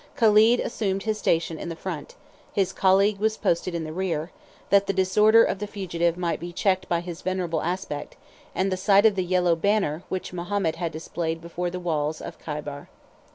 Caled assumed his station in the front, his colleague was posted in the rear, that the disorder of the fugitive might be checked by his venerable aspect, and the sight of the yellow banner which Mahomet had displayed before the walls of Chaibar.